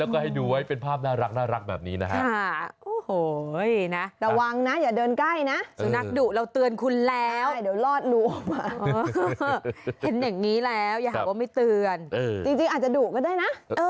เออเป็นนักงานลอก่อน